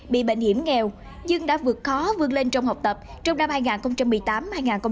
bị bệnh hiểm nghèo nhưng đã vượt khó vươn lên trong học tập trong năm hai nghìn một mươi tám hai nghìn một mươi chín